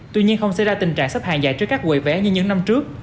tuy nhiên không sẽ ra tình trạng sắp hàng dài trước các quầy vé như những năm trước